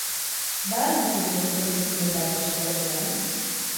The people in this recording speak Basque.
Ba al duzu beste proiekturen bat esku artean?